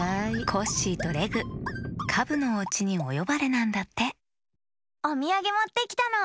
コッシーとレグカブのおうちにおよばれなんだっておみやげもってきたの！